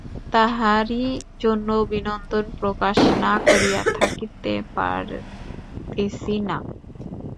তাহারই জন্য অভিনন্দন প্রকাশ না করিয়া থাকিতে পারিতেছি না।